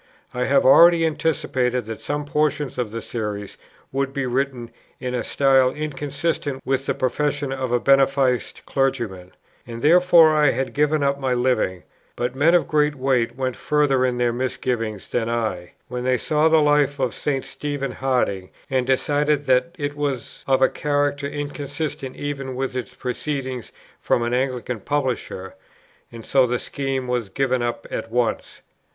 I had already anticipated that some portions of the Series would be written in a style inconsistent with the professions of a beneficed clergyman, and therefore I had given up my Living; but men of great weight went further in their misgivings than I, when they saw the Life of St. Stephen Harding, and decided that it was of a character inconsistent even with its proceeding from an Anglican publisher: and so the scheme was given up at once.